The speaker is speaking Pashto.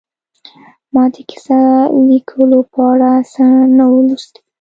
ما د کیسه لیکلو په اړه څه نه وو لوستي